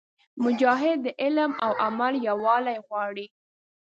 مجاهد د علم او عمل یووالی غواړي.